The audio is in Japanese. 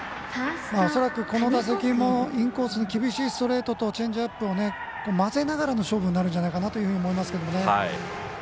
恐らく、この打席もインコースの厳しいストレートとチェンジアップを交ぜながらの勝負になると思います。